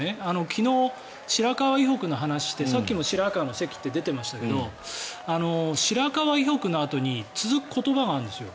昨日、白川以北の話をしてさっきも白河の関って出てましたけど白河以北のあとに続く言葉があるんですよ。